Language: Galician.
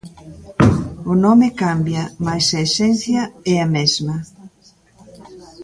O nome cambia, mais a esencia é a mesma.